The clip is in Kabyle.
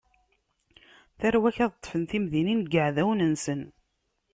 Tarwa-k ad ṭṭfen timdinin n yeɛdawen-nsen.